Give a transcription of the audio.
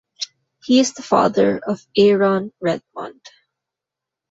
He is the father of Aaron Redmond.